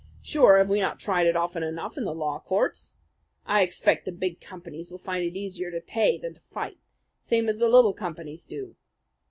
Sure, have we not tried it often enough in the lawcourts? I expect the big companies will find it easier to pay than to fight, same as the little companies do.